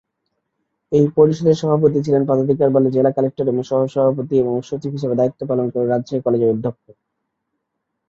এই পরিষদের সভাপতি ছিলেন পদাধিকার বলে জেলা কালেক্টর এবং সহ-সভাপতি এবং সচিব হিসেবে দায়িত্ব পালন করেন রাজশাহী কলেজের অধ্যক্ষ।